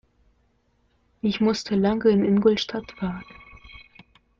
Ich musste lange in Ingolstadt warten